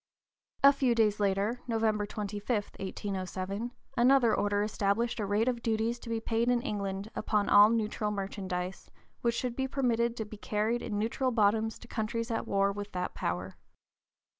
A few days later, November 25, 1807, another Order established a rate of duties to be paid in England upon all neutral merchandise which should be permitted to be carried in neutral bottoms to countries at war with that power.